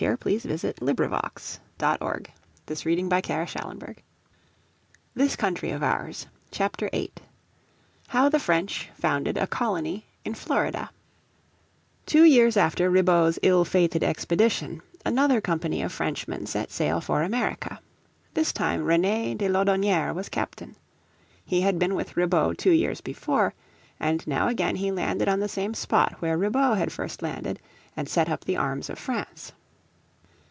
So ended the first attempt of the French to found a colony in North America. __________ Chapter 8 How The French Founded a Colony in Florida Two years after Ribaut's ill fated expedition another company of Frenchmen set sail for America. This time Reté de Laudonnière was captain. He had been with Ribaut two years before, and now again he landed on the same spot where Ribaut had first landed, and set up the arms of France.